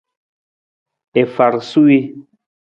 I far suwii.